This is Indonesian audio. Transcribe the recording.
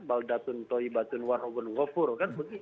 baldatun toibatun warhugun wafur kan begitu